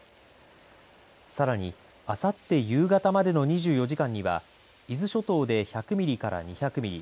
さらにあさって夕方までの２４時間には伊豆諸島で１００ミリから２００ミリ